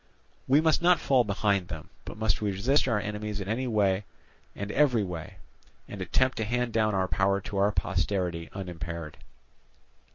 We must not fall behind them, but must resist our enemies in any way and in every way, and attempt to hand down our power to our posterity unimpaired."